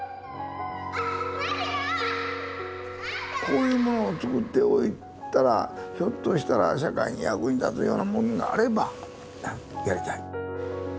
こういうものをつくっておいたらひょっとしたら社会に役に立つようなものがあればやりたい。